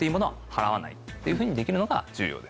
っていうふうにできるのが重要です。